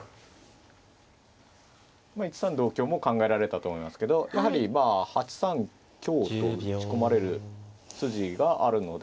１三同香も考えられたと思いますけどやはり８三香と打ち込まれる筋があるので。